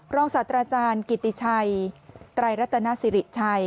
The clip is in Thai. ศาสตราจารย์กิติชัยไตรรัตนสิริชัย